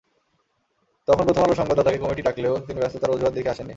তখন প্রথম আলোর সংবাদদাতাকে কমিটি ডাকলেও তিনি ব্যস্ততার অজুহাত দেখিয়ে আসেননি।